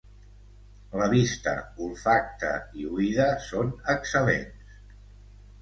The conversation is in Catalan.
La vista, olfacte i oïda són excel·lents.